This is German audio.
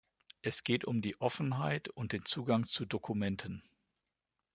Es geht um die Offenheit und den Zugang zu Dokumenten.